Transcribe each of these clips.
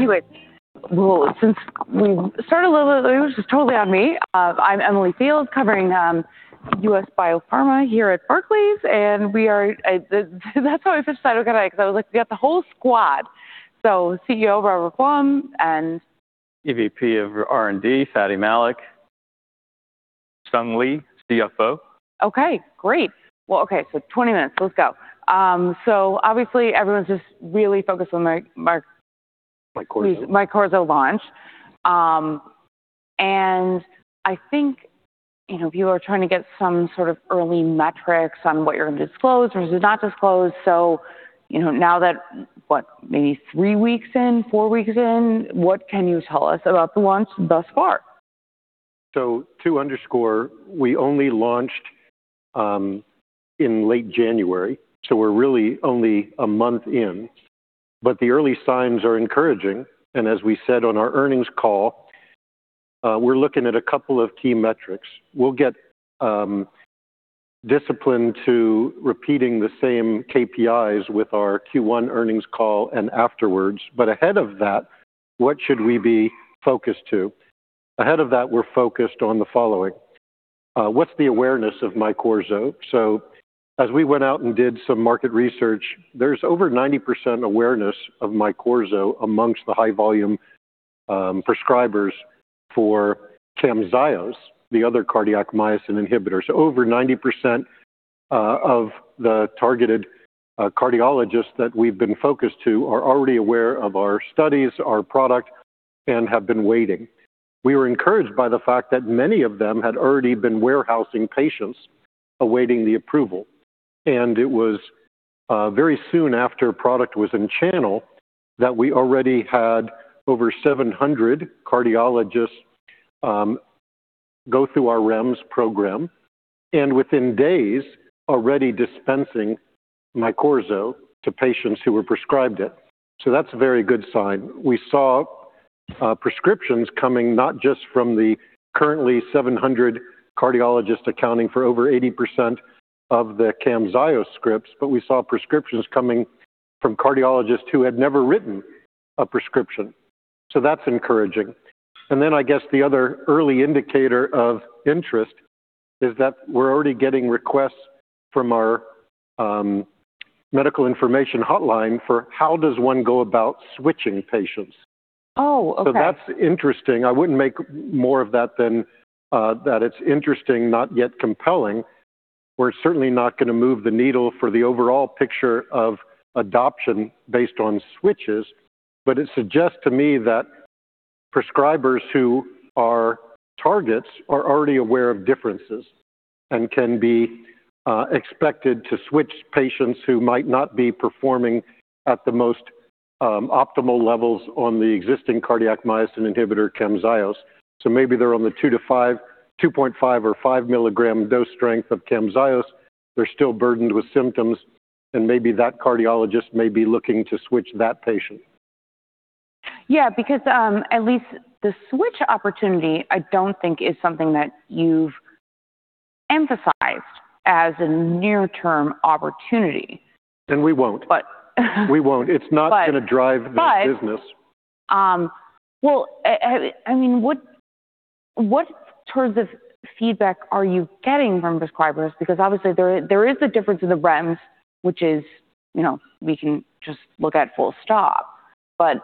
Okay. Anyways, well, since we started a little bit late, which is totally on me. I'm Emily Field covering U.S. Biopharma here at Barclays. That's how I decided, okay, 'cause I was like, we got the whole squad. CEO Robert I. Blum, and EVP of R&D, Fady I. Malik. Sung Lee, CFO. Okay, great. Well, okay, 20 minutes. Let's go. Obviously everyone's just really focused on. MYQORZO. MYQORZO launch. I think, you know, people are trying to get some sort of early metrics on what you're going to disclose versus not disclose. You know, now that, what, maybe three weeks in, four weeks in, what can you tell us about the launch thus far? To underscore, we only launched in late January, so we're really only a month in. The early signs are encouraging. As we said on our earnings call, we're looking at a couple of key metrics. We'll get disciplined in repeating the same KPIs with our Q1 earnings call and afterwards. Ahead of that, what should we be focused on? Ahead of that, we're focused on the following. What's the awareness of MYQORZO? As we went out and did some market research, there's over 90% awareness of MYQORZO among the high-volume prescribers for CAMZYOS, the other cardiac myosin inhibitor. Over 90% of the targeted cardiologists that we've been focused on are already aware of our studies, our product, and have been waiting. We were encouraged by the fact that many of them had already been warehousing patients awaiting the approval. It was very soon after product was in channel that we already had over 700 cardiologists go through our REMS program, and within days, already dispensing MYQORZO to patients who were prescribed it. That's a very good sign. We saw prescriptions coming not just from the currently 700 cardiologists accounting for over 80% of the CAMZYOS scripts, but we saw prescriptions coming from cardiologists who had never written a prescription. That's encouraging. Then I guess the other early indicator of interest is that we're already getting requests from our medical information hotline for how does one go about switching patients. Oh, okay. That's interesting. I wouldn't make more of that than that it's interesting, not yet compelling. We're certainly not going to move the needle for the overall picture of adoption based on switches. But it suggests to me that prescribers who are targets are already aware of differences and can be expected to switch patients who might not be performing at the most optimal levels on the existing cardiac myosin inhibitor, CAMZYOS. Maybe they're on the 2.5 mg or 5 mg dose strength of CAMZYOS. They're still burdened with symptoms, and maybe that cardiologist may be looking to switch that patient. Yeah, because at least the switch opportunity I don't think is something that you've emphasized as a near-term opportunity. We won't. But... We won't. It's not. But- Gonna drive this business. I mean, what sort of feedback are you getting from prescribers? Because obviously there is a difference in the REMS, which is, you know, we can just look at full stop. What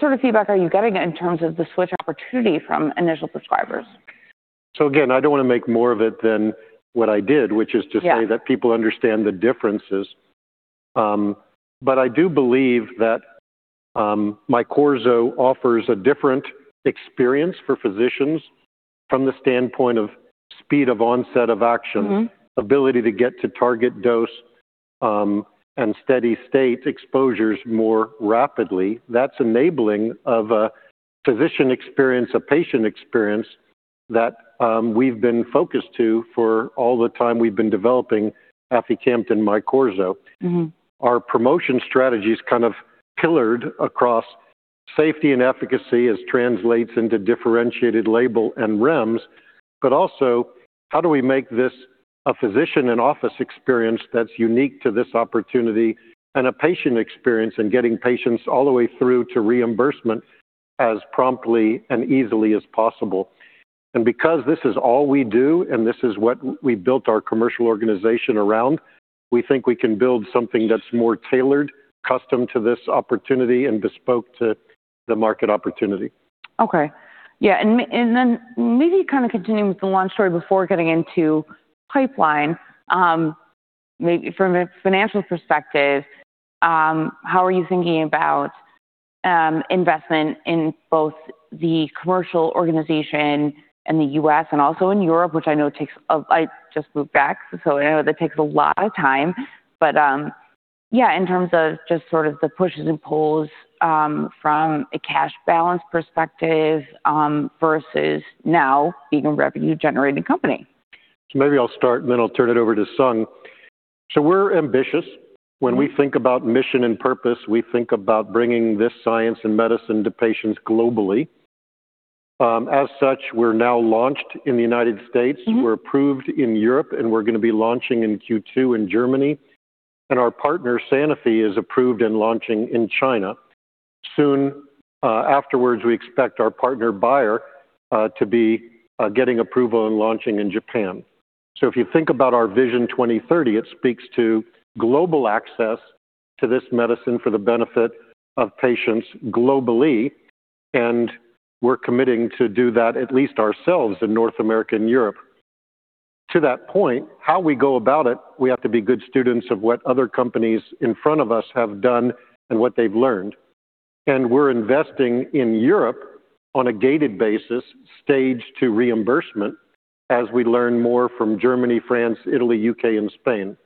sort of feedback are you getting in terms of the switch opportunity from initial prescribers? Again, I don't want to make more of it than what I did- Yeah. ...which is to say that people understand the differences. I do believe that MYQORZO offers a different experience for physicians from the standpoint of speed of onset of action. Mm-hmm. Ability to get to target dose and steady state exposures more rapidly. That's enabling a physician experience, a patient experience that we've been focused on for all the time we've been developing aficamten and MYQORZO. Mm-hmm. Our promotion strategy is kind of pillared across safety and efficacy as translates into differentiated label and REMS, but also how do we make this a physician and office experience that's unique to this opportunity and a patient experience and getting patients all the way through to reimbursement as promptly and easily as possible. Because this is all we do and this is what we built our commercial organization around, we think we can build something that's more tailored, custom to this opportunity and bespoke to the market opportunity. Okay. Yeah. Maybe kind of continuing with the launch story before getting into pipeline, maybe from a financial perspective, how are you thinking about investment in both the commercial organization in the U.S. and also in Europe, which I know takes a lot of time. I just moved back, so I know that takes a lot of time. Yeah, in terms of just sort of the pushes and pulls from a cash balance perspective versus now being a revenue-generating company. Maybe I'll start, and then I'll turn it over to Sung. We're ambitious. When we think about mission and purpose, we think about bringing this science and medicine to patients globally. As such, we're now launched in the United States. Mm-hmm. We're approved in Europe, and we're gonna be launching in Q2 in Germany. Our partner, Sanofi, is approved and launching in China. Soon, afterwards, we expect our partner Bayer to be getting approval and launching in Japan. If you think about our Vision 2030, it speaks to global access to this medicine for the benefit of patients globally, and we're committing to do that at least ourselves in North America and Europe. To that point, how we go about it, we have to be good students of what other companies in front of us have done and what they've learned. We're investing in Europe on a gated basis, stage to reimbursement, as we learn more from Germany, France, Italy, U.K., and Spain.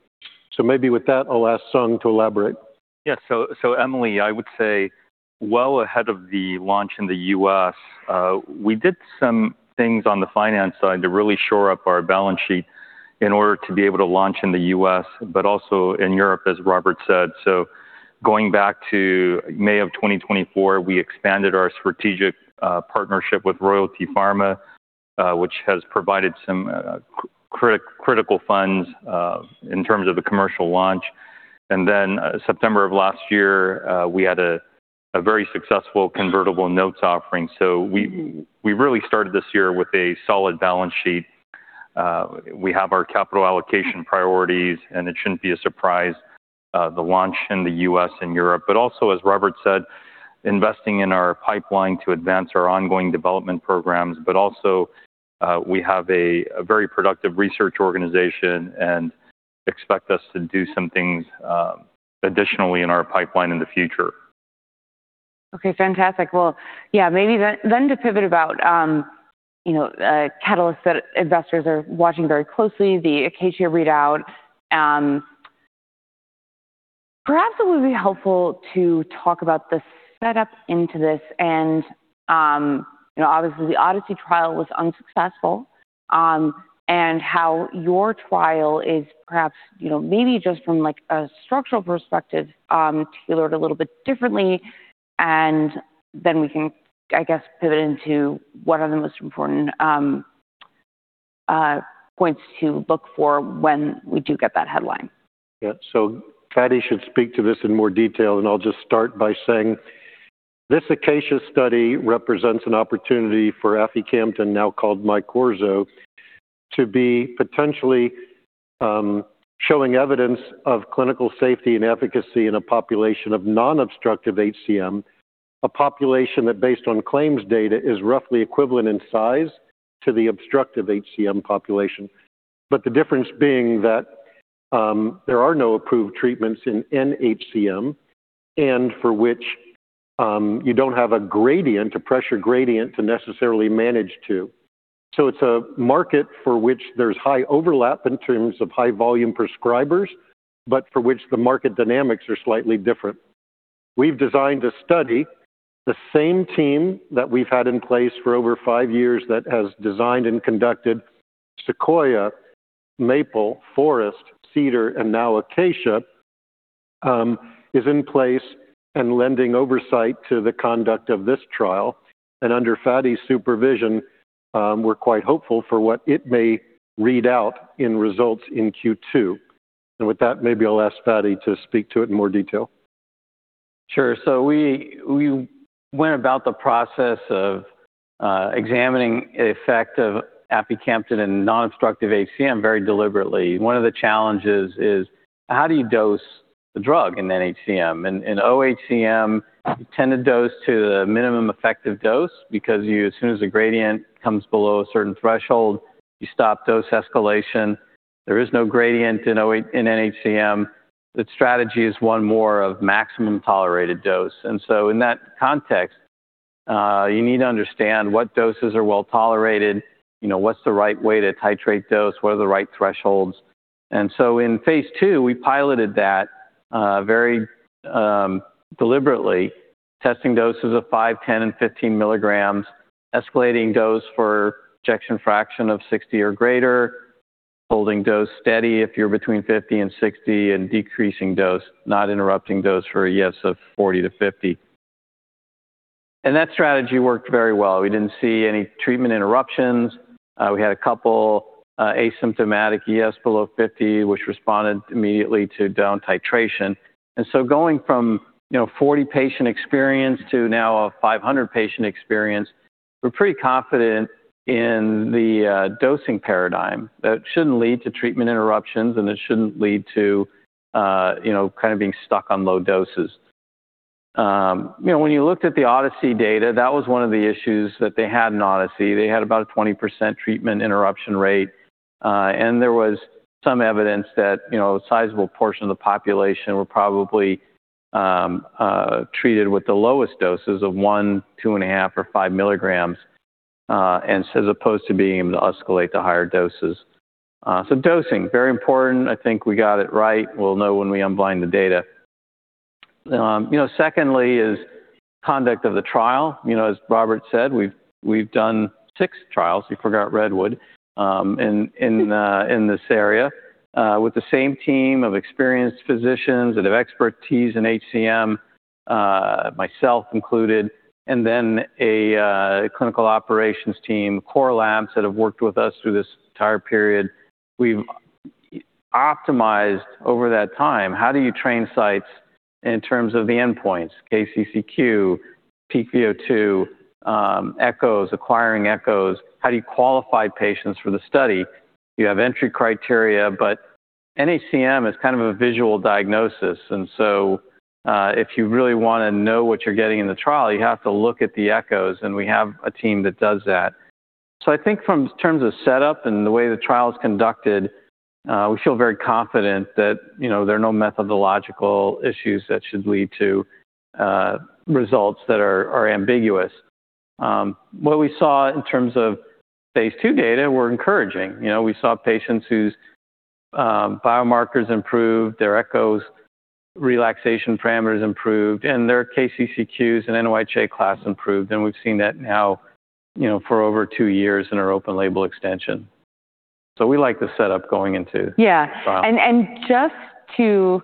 Maybe with that, I'll ask Sung to elaborate. Yes. Emily, I would say well ahead of the launch in the U.S., we did some things on the finance side to really shore up our balance sheet in order to be able to launch in the U.S., but also in Europe, as Robert said. Going back to May of 2024, we expanded our strategic partnership with Royalty Pharma, which has provided some critical funds in terms of the commercial launch. September of last year, we had a very successful convertible notes offering. We really started this year with a solid balance sheet. We have our capital allocation priorities, and it shouldn't be a surprise, the launch in the U.S. and Europe. Also, as Robert said, investing in our pipeline to advance our ongoing development programs. We have a very productive research organization and expect us to do some things, additionally in our pipeline in the future. Okay. Fantastic. Well, yeah, maybe then to pivot about, you know, catalysts that investors are watching very closely, the ACACIA-HCM readout. Perhaps it would be helpful to talk about the setup into this and, you know, obviously the ODYSSEY trial was unsuccessful, and how your trial is perhaps, you know, maybe just from like a structural perspective, tailored a little bit differently. Then we can, I guess, pivot into what are the most important points to look for when we do get that headline. Yeah. Fady should speak to this in more detail, and I'll just start by saying this ACACIA-HCM study represents an opportunity for aficamten, now called MYQORZO, to be potentially showing evidence of clinical safety and efficacy in a population of non-obstructive HCM, a population that, based on claims data, is roughly equivalent in size to the obstructive HCM population. The difference being that, there are no approved treatments in nHCM and for which, you don't have a gradient, a pressure gradient, to necessarily manage to. It's a market for which there's high overlap in terms of high volume prescribers, but for which the market dynamics are slightly different. We've designed a study, the same team that we've had in place for over five years that has designed and conducted SEQUOIA-HCM, MAPLE-HCM, FOREST-HCM, CEDAR-HCM, and now ACACIA-HCM, is in place and lending oversight to the conduct of this trial. Under Fady's supervision, we're quite hopeful for what it may read out in results in Q2. With that, maybe I'll ask Fady to speak to it in more detail. Sure. We went about the process of examining the effect of aficamten in non-obstructive HCM very deliberately. One of the challenges is how do you dose the drug in nHCM? In oHCM, you tend to dose to the minimum effective dose because as soon as the gradient comes below a certain threshold, you stop dose escalation. There is no gradient in nHCM. The strategy is one more of maximum tolerated dose. In that context, you need to understand what doses are well-tolerated, you know, what's the right way to titrate dose, what are the right thresholds. In phase II, we piloted that very deliberately testing doses of 5 mg, 10 mg, and 15 mg, escalating dose for ejection fraction of 60% or greater, holding dose steady if you're between 50% and 60%, and decreasing dose, not interrupting dose for a EF of 40%-50%. That strategy worked very well. We didn't see any treatment interruptions. We had a couple asymptomatic EFs below 50%, which responded immediately to down titration. Going from, you know, 40 patient experience to now a 500 patient experience, we're pretty confident in the dosing paradigm that it shouldn't lead to treatment interruptions, and it shouldn't lead to, you know, kind of being stuck on low doses. You know, when you looked at the ODYSSEY data, that was one of the issues that they had in ODYSSEY. They had about a 20% treatment interruption rate, and there was some evidence that, you know, a sizable portion of the population were probably treated with the lowest doses of 1 mg, 2.5 mg, or 5 mg, as supposed to being able to escalate to higher doses. Dosing, very important. I think we got it right. We'll know when we unblind the data. You know, secondly is conduct of the trial. You know, as Robert said, we've done six trials, you forgot REDWOOD-HCM, in this area, with the same team of experienced physicians that have expertise in HCM, myself included, and then a clinical operations team, core labs that have worked with us through this entire period. We've optimized over that time how do you train sites in terms of the endpoints, KCCQ, pVO2, echoes, acquiring echoes. How do you qualify patients for the study? You have entry criteria, but NHCM is kind of a visual diagnosis. If you really want to know what you're getting in the trial, you have to look at the echoes, and we have a team that does that. I think in terms of setup and the way the trial is conducted, we feel very confident that, you know, there are no methodological issues that should lead to results that are ambiguous. What we saw in terms of phase two data were encouraging. You know, we saw patients whose biomarkers improved, their echoes relaxation parameters improved, and their KCCQs and NYHA class improved. We've seen that now, you know, for over two years in our open-label extension. We like the setup going into- Yeah. ...the trial. Just to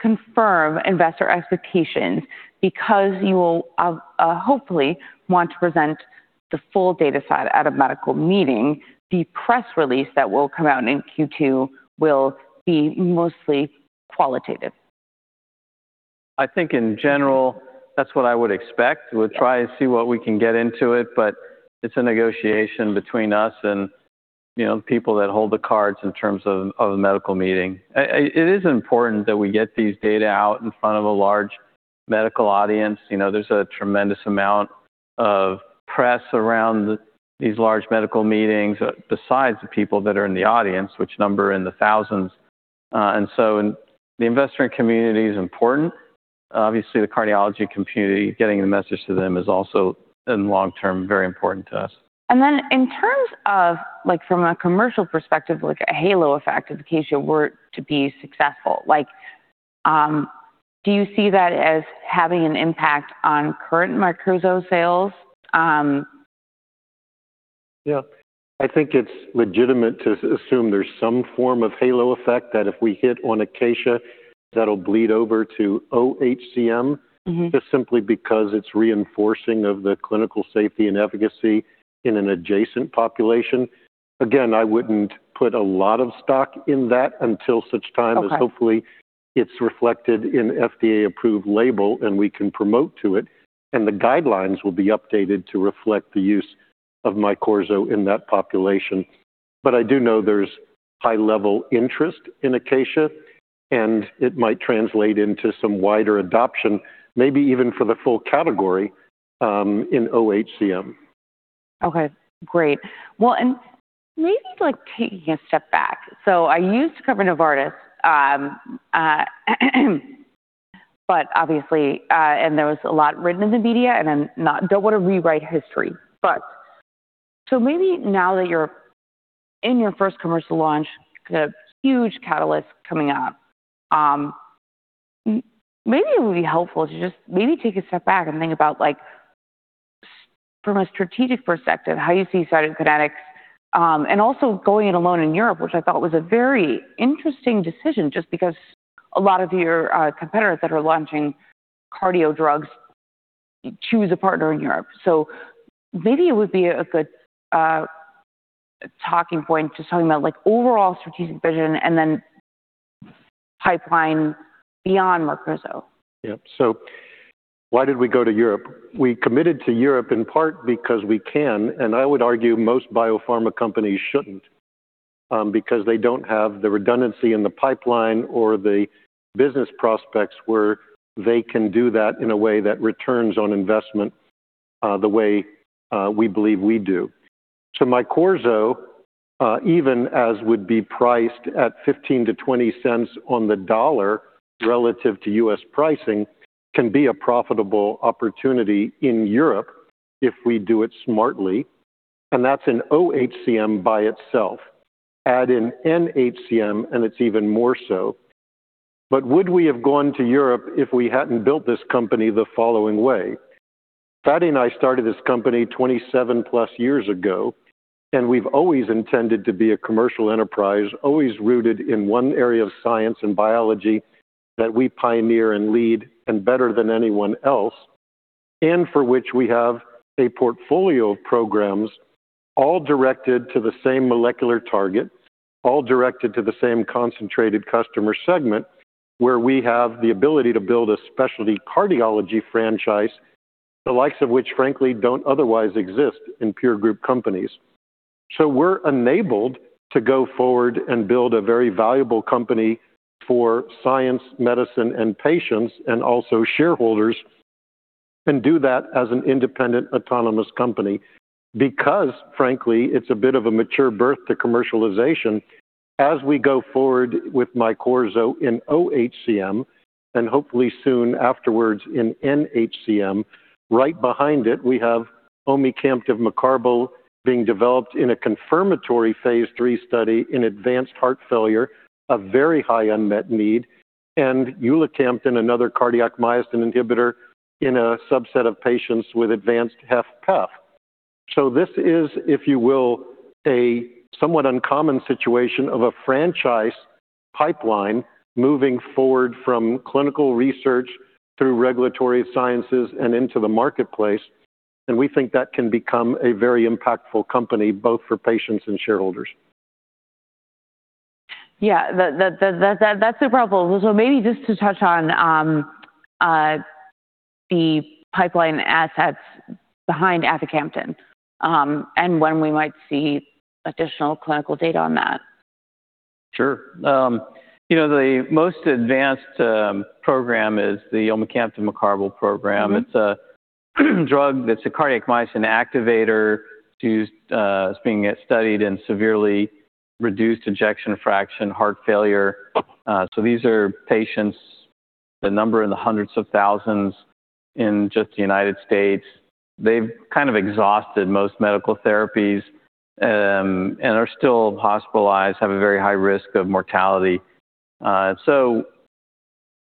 confirm investor expectations, because you will hopefully want to present the full data side at a medical meeting, the press release that will come out in Q2 will be mostly qualitative. I think in general, that's what I would expect. Yeah. We'll try and see what we can get into it, but it's a negotiation between us and, you know, the people that hold the cards in terms of the medical meeting. It is important that we get these data out in front of a large medical audience. You know, there's a tremendous amount of press around these large medical meetings besides the people that are in the audience, which number in the thousands. The investor community is important. Obviously, the cardiology community, getting the message to them is also, in the long term, very important to us. In terms of, like, from a commercial perspective, like a halo effect if ACACIA-HCM were to be successful, like, do you see that as having an impact on current MYQORZO sales? Yeah. I think it's legitimate to assume there's some form of halo effect that if we hit on ACACIA-HCM, that'll bleed over to OHCM. Mm-hmm. Just simply because it's reinforcing of the clinical safety and efficacy in an adjacent population. Again, I wouldn't put a lot of stock in that until such time as. Okay. Hopefully it's reflected in FDA-approved label, and we can promote to it, and the guidelines will be updated to reflect the use of MYQORZO in that population. But I do know there's high level interest in ACACIA-HCM, and it might translate into some wider adoption, maybe even for the full category, in oHCM. Okay, great. Well, maybe like taking a step back. I used to cover Novartis, but obviously, and there was a lot written in the media, and I don't want to rewrite history. Maybe now that you're in your first commercial launch, the huge catalyst coming up, maybe it would be helpful to just maybe take a step back and think about, like, from a strategic perspective, how you see Cytokinetics, and also going it alone in Europe, which I thought was a very interesting decision just because a lot of your competitors that are launching cardio drugs choose a partner in Europe. Maybe it would be a good talking point, just talking about like overall strategic vision and then pipeline beyond MYQORZO. Yeah. Why did we go to Europe? We committed to Europe in part because we can, and I would argue most biopharma companies shouldn't, because they don't have the redundancy in the pipeline or the business prospects where they can do that in a way that returns on investment, the way we believe we do. MYQORZO, even as would be priced at $0.15-$0.20 on the dollar relative to U.S. pricing, can be a profitable opportunity in Europe if we do it smartly, and that's an oHCM by itself. Add in nHCM, and it's even more so. Would we have gone to Europe if we hadn't built this company the following way? Fady and I started this company 27+ years ago, and we've always intended to be a commercial enterprise, always rooted in one area of science and biology that we pioneer and lead and better than anyone else, and for which we have a portfolio of programs all directed to the same molecular target, all directed to the same concentrated customer segment, where we have the ability to build a specialty cardiology franchise, the likes of which, frankly, don't otherwise exist in peer group companies. We're enabled to go forward and build a very valuable company for science, medicine, and patients and also shareholders, and do that as an independent, autonomous company. Because frankly, it's a bit of a mature birth to commercialization as we go forward with MYQORZO in oHCM and hopefully soon afterwards in nHCM. Right behind it, we have omecamtiv mecarbil being developed in a confirmatory phase III study in advanced heart failure, a very high unmet need, and ulacamten, another cardiac myosin inhibitor, in a subset of patients with advanced HFpEF. This is, if you will, a somewhat uncommon situation of a franchise. Pipeline moving forward from clinical research through regulatory sciences and into the marketplace. We think that can become a very impactful company both for patients and shareholders. Yeah. That's a problem. Maybe just to touch on the pipeline assets behind aficamten, and when we might see additional clinical data on that. Sure. You know, the most advanced program is the omecamtiv mecarbil program. It's a drug that's a cardiac myosin activator. It's being studied in severely reduced ejection fraction heart failure. These are patients, the number in the hundreds of thousands in just the United States. They've kind of exhausted most medical therapies and are still hospitalized, have a very high risk of mortality.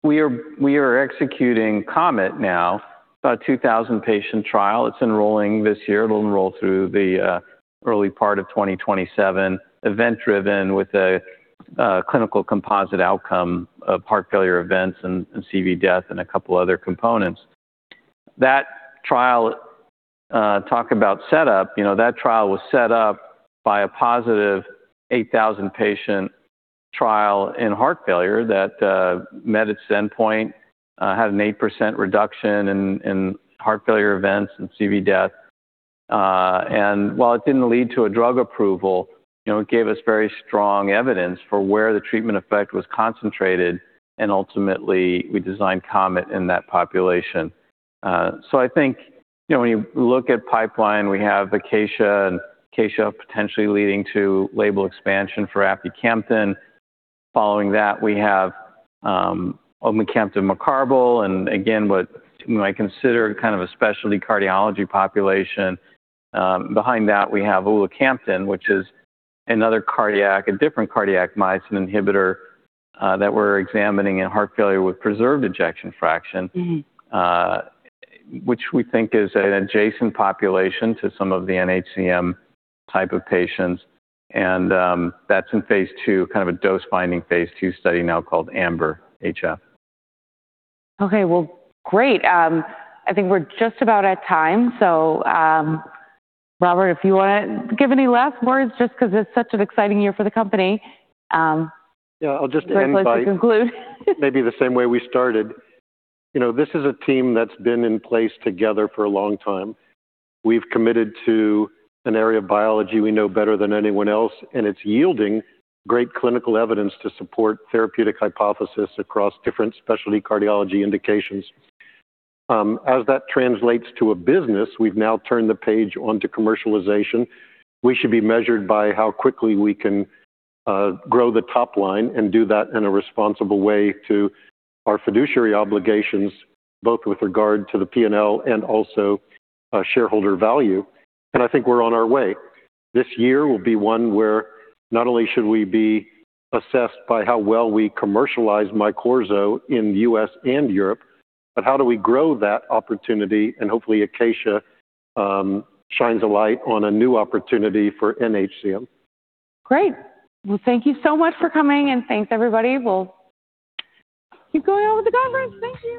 We are executing COMET now, about 2,000 patient trial. It's enrolling this year. It'll enroll through the early part of 2027, event-driven with a clinical composite outcome of heart failure events and CV death and a couple other components. That trial, talk about setup. You know, that trial was set up by a positive 8,000-patient trial in heart failure that met its endpoint, had an 8% reduction in heart failure events and CV death. While it didn't lead to a drug approval, you know, it gave us very strong evidence for where the treatment effect was concentrated, and ultimately, we designed COMET in that population. I think, you know, when you look at pipeline, we have ACACIA-HCM, and ACACIA-HCM potentially leading to label expansion for aficamten. Following that, we have omecamtiv mecarbil and again, what you might consider kind of a specialty cardiology population. Behind that, we have ulacamten, which is a different cardiac myosin inhibitor, that we're examining in heart failure with preserved ejection fraction- Mm-hmm. ...which we think is an adjacent population to some of the nHCM type of patients. That's in phase II, kind of a dose-finding phase II study now called AMBER-HFpEF. Okay. Well, great. I think we're just about at time. Robert, if you wanna give any last words, just 'cause it's such an exciting year for the company. Yeah, I'll just end by. Before we conclude. Maybe the same way we started. You know, this is a team that's been in place together for a long time. We've committed to an area of biology we know better than anyone else, and it's yielding great clinical evidence to support therapeutic hypothesis across different specialty cardiology indications. As that translates to a business, we've now turned the page onto commercialization. We should be measured by how quickly we can grow the top line and do that in a responsible way to our fiduciary obligations, both with regard to the P&L and also shareholder value. I think we're on our way. This year will be one where not only should we be assessed by how well we commercialize MYQORZO in the U.S. and Europe, but how do we grow that opportunity? Hopefully, ACACIA-HCM shines a light on a new opportunity for nHCM. Great. Well, thank you so much for coming, and thanks, everybody. We'll keep going on with the conference. Thank you.